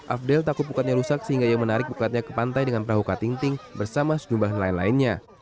afdel takut pukatnya rusak sehingga ia menarik pukatnya ke pantai dengan perahu katingting bersama sejumlah nelayan lainnya